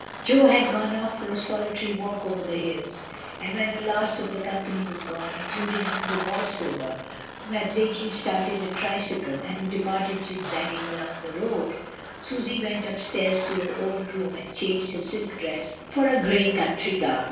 Jo had gone off for a solitary walk over the hills, and when the last of the company was gone, including Uncle Bolsover, who had lately started a tricycle, and who departed zigzagging along the road, Susy went upstairs to her own room and changed her silk dress for a grey country gown.